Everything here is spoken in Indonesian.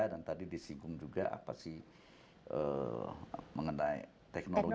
dan tadi disinggung juga mengenai teknologi apa